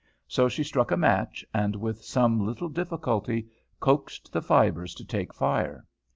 So she struck a match, and with some little difficulty coaxed the fibres to take fire.